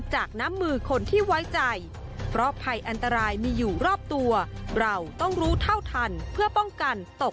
หมื่นกว่าบาทครับอ่ะอ่ะ